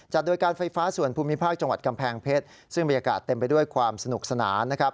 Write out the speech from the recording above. โดยการไฟฟ้าส่วนภูมิภาคจังหวัดกำแพงเพชรซึ่งบรรยากาศเต็มไปด้วยความสนุกสนานนะครับ